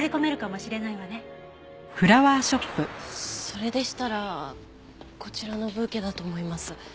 それでしたらこちらのブーケだと思います。